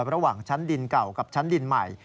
ระหว่างชั้นดินเก่ากับชั้นดินใหม่